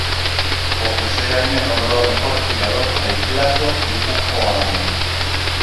Por tercer año es nombrado mejor tirador al plato guipuzcoano.